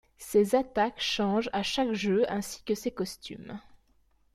Ses attaques changent à chaque jeu ainsi que ses costumes.